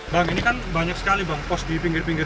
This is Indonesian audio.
bang ini kan banyak sekali bang pos di pinggir pinggir